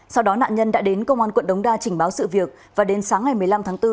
sau đó nạn nhân đã đến công an quận đống đa trình báo sự việc và đến sáng ngày một mươi năm tháng bốn